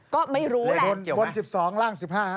ก็ไม่รู้แหละลรวมบนสิบสองล่างสิบห้า